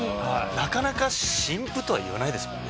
なかなか「新譜」とは言わないですもんね。